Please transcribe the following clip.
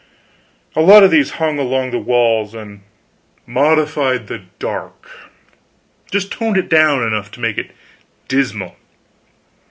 A lot of these hung along the walls and modified the dark, just toned it down enough to make it dismal.